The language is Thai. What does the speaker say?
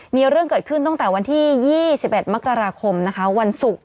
มีเรื่องเกิดขึ้นตั้งแต่วันที่๒๑มกราคมนะคะวันศุกร์